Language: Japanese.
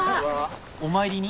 お参りに？